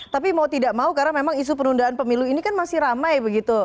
tapi mau tidak mau karena memang isu penundaan pemilu ini kan masih ramai begitu